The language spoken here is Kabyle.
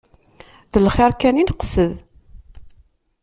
D lxir kan i neqsed.